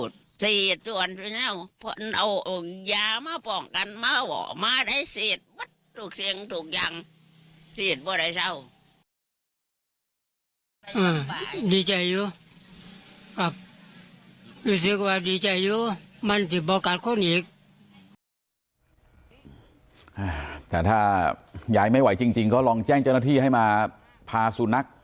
ดูสิว่าดีใจอยู่